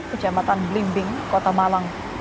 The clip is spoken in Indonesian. kejamatan blimbing kota malang